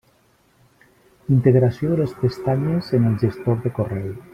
Integració de les pestanyes en el gestor de correu.